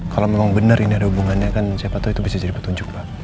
kalau memang benar ini ada hubungannya kan siapa tahu itu bisa jadi petunjuk pak